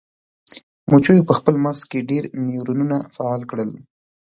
مچیو په خپل مغز کې ډیر نیورونونه فعال کړل.